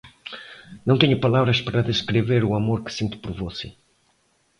Não tenho palavras para descrever o amor que sinto por você